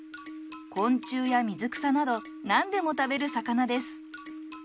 昆虫や水草などなんでも食べる魚です。